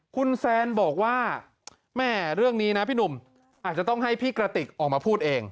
คุณแซนบอกว่าแม่เรื่องนี้นะพี่หนุ่มอาจจะต้องให้พี่กระติกออกมาพูดเอง